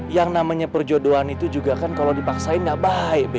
yang namanya perjodohan itu juga kan kalo dipaksain gak baik be